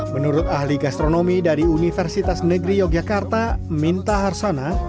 menurut ahli gastronomi dari universitas negeri yogyakarta minta harsana